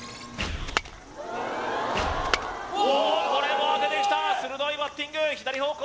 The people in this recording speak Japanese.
おこれも当ててきた鋭いバッティング左方向